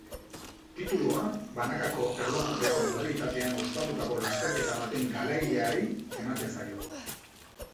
Titulua banakako erlojupeko modalitatean ospatutako lasterketa baten garaileari ematen zaio.